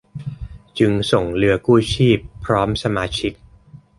จึงส่งเรือกู้ชีพพร้อมสมาชิก